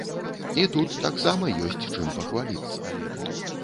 І тут таксама ёсць чым пахваліцца.